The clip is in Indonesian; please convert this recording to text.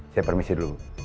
saya permisi dulu bu